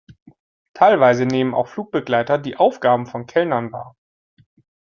Teilweise nehmen auch Flugbegleiter die Aufgaben von Kellnern wahr.